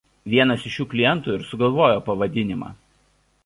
Vienas iš šių klientų ir sugalvojo pavadinimą.